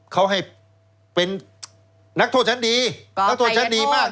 เขาให้เป็นนักโทษชั้นดีนักโทษชั้นดีมาก